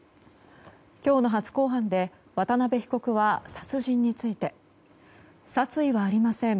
今日の初公判で渡邊被告は殺人について殺意はありません